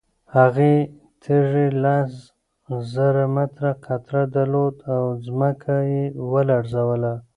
هغې تیږې لس زره متره قطر درلود او ځمکه یې ولړزوله.